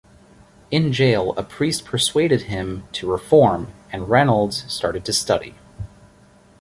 In jail a priest persuaded him to reform and Reynolds started to study.